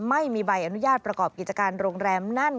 ไม่มีใบอนุญาตประกอบกิจการโรงแรมนั่น